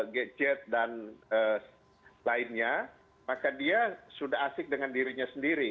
gadget dan lainnya maka dia sudah asik dengan dirinya sendiri